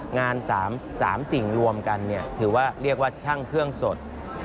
งาน๓สิ่งรวมกันถือว่าเรียกว่าช่างเครื่องสด